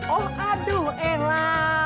oh aduh ella